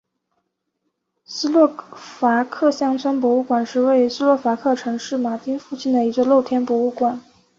斯洛伐克乡村博物馆是位于斯洛伐克城市马丁附近的一座露天博物馆。